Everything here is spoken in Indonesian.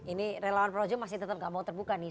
ini relawan projo masih tetap nggak mau terbuka nih